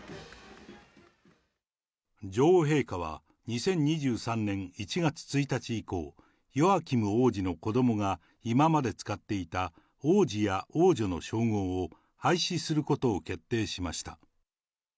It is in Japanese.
女王陛下は２０２３年１月１日以降、ヨアキム王子の子どもが今まで使っていた、王子や王女の称号を廃止することを決定しました。